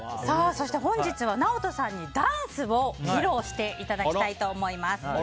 そして本日はＮＡＯＴＯさんにダンスを披露していただきたいと思います。